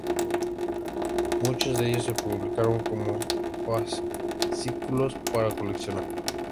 Muchos de ellos se publicaron como fascículos para coleccionar.